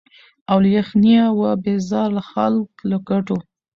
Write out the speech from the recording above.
له یخنیه وه بېزار خلک له ګټو